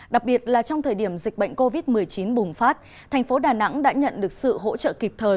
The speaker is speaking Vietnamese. đặc biệt là trong thời điểm dịch bệnh covid một mươi chín bùng phát thành phố đà nẵng đã nhận được sự hỗ trợ kịp thời